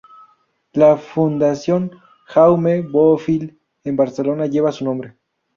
La Fundación Jaume Bofill en Barcelona, lleva su nombre.